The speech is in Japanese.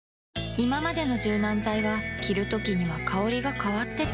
いままでの柔軟剤は着るときには香りが変わってた